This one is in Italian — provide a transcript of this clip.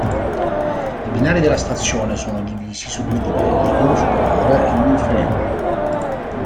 I binari della stazione sono divisi su due livelli, uno superiore e uno inferiore.